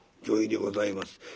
「御意でございます。